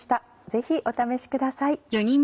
ぜひお試しください。